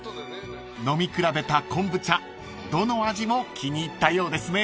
［飲み比べたコンブチャどの味も気に入ったようですね］